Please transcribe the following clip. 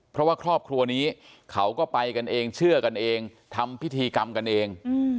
เพราะว่าครอบครัวนี้เขาก็ไปกันเองเชื่อกันเองทำพิธีกรรมกันเอง